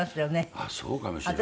ああそうかもしれません。